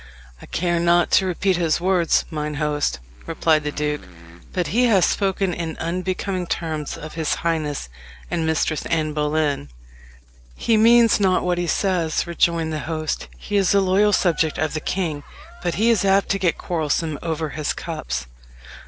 "I care not to repeat his words, mine host," replied the duke; "but he hath spoken in unbecoming terms of his highness and Mistress Anne Boleyn." "He means not what he says," rejoined the host. "He is a loyal subject of the king; but he is apt to get quarrelsome over his cups."